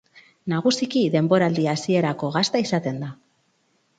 Nagusiki denboraldi hasierako gazta izaten da.